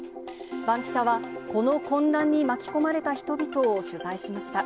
バンキシャは、この混乱に巻き込まれた人々を取材しました。